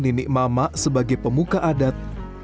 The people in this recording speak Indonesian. ninik mama sebagai pemuka adat